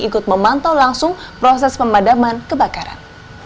ikut memantau langsung proses pemadaman kebakaran